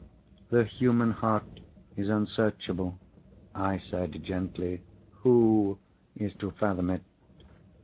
"The human heart is unsearchable," I said gently. "Who is to fathom it?"